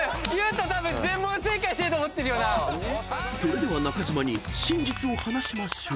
［それでは中島に真実を話しましょう］